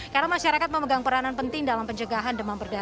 karena masyarakat memegang peranan penting dalam penjagaan